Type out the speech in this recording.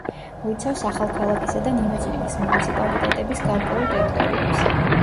მოიცავს ახალქალაქისა და ნინოწმინდის მუნიციპალიტეტების გარკვეულ ტერიტორიებს.